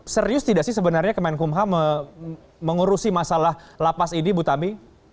serius tidak sih sebenarnya kemenkumham mengurusi masalah lapas ini bu tami